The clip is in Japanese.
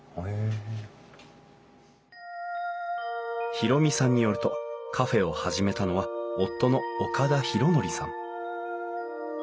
宏美さんによるとカフェを始めたのは夫の岡田浩典さん。